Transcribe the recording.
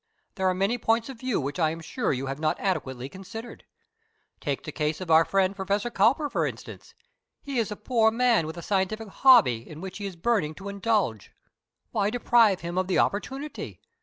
There are many points of view which I am sure you have not adequately considered. Take the case of our friend Professor Cowper, for instance. He is a poor man with a scientific hobby in which he is burning to indulge. Why deprive him of the opportunity?